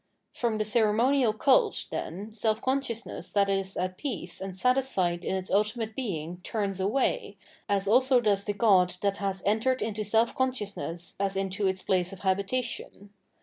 From the ceremonial cult, then, self consciousness that is at peace and satisfied in its ultimate Being turns away, as also does the god that has entered into self consciousness as into its place of habitation.